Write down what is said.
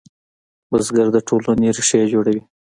بزګر د ټولنې ریښې جوړوي